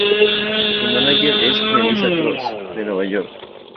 Su manager es Melissa Cross de Nueva York.